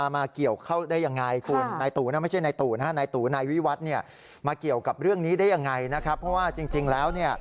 ได้อย่างไรนะครับเพราะว่าจริงแล้ว